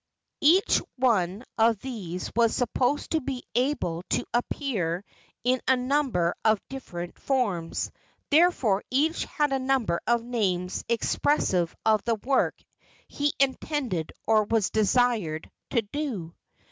Each one of these was supposed to be able to appear in a number of different forms, therefore each had a number of names expressive of the work he intended or was desired to do.